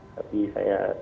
jadi tidak ada lagi impunikat